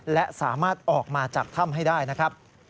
และสามารถออกมาจากถ้ำให้ได้นะครับ